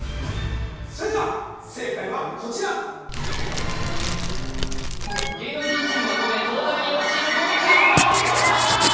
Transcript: それでは正解はこちら芸能人チームが５名東大王チーム５名全員パーフェクトきた！